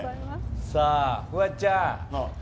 さあ、フワちゃん。